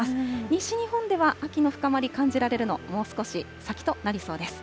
西日本では秋の深まり感じられるの、もう少し先となりそうです。